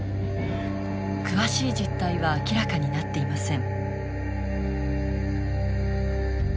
詳しい実態は明らかになっていません。